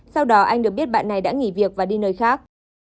sau đó anh được biết bạn này đã nghỉ việc và đi nơi khác